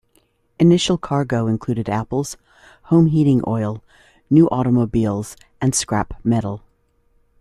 Initial cargo included apples, home heating oil, new automobiles, and scrap metal.